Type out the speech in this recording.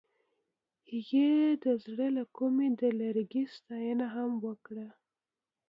هغې د زړه له کومې د لرګی ستاینه هم وکړه.